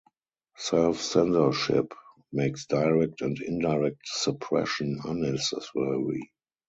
Self-censorship makes direct and indirect suppression unnecessary.